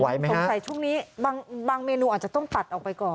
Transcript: สงสัยช่วงนี้บางเมนูอาจจะต้องตัดออกไปก่อน